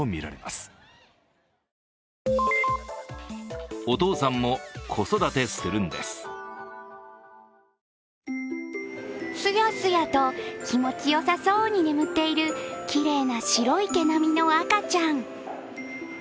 すやすやと気持ちよさそうに眠っているきれいな白い毛並みの赤ちゃん。